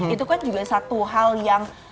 itu kan juga satu hal yang